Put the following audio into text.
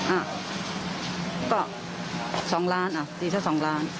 อ่ะก็สองล้านอ่ะดีถ้าสองล้าน